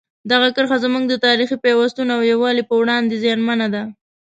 دغه کرښه زموږ د تاریخي پیوستون او یووالي په وړاندې زیانمنه ده.